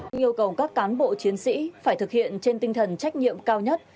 chúng tôi yêu cầu các cán bộ chiến sĩ phải thực hiện trên tinh thần trách nhiệm cao nhất